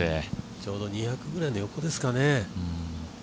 ちょうど２００ぐらいの横ですかね。